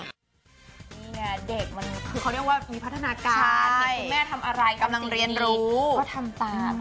นี่นะเด็กมันคือเค้าเรียกว่ามีพัฒนาการแหม่ทำอะไรกันสิเนี่ยกำลังเรียนรู้ก็ทำตาม